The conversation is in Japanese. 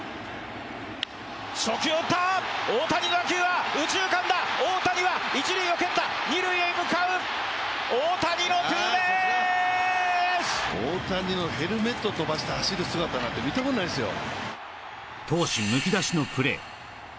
初球を打った大谷の打球は右中間だ大谷は１塁を蹴った２塁へ向かう大谷のツーベース大谷のヘルメット飛ばして走る姿なんて見たことないですよ